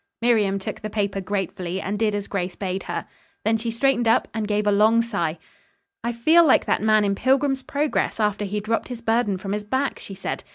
Miriam took the paper gratefully, and did as Grace bade her. Then she straightened up and gave a long sigh, "I feel like that man in Pilgrim's Progress, after he dropped his burden from his back," she said.